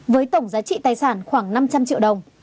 với tổng giá trị tài sản khoảng năm trăm linh triệu đồng